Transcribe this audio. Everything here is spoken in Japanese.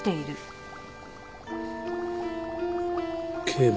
警部。